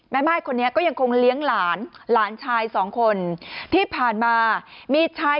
แม่ม่ายคนนี้ก็ยังคงเลี้ยงหลานหลานชายสองคนที่ผ่านมามีชาย